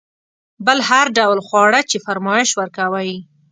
بل هر ډول خواړه چې فرمایش ورکوئ.